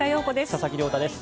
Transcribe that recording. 佐々木亮太です。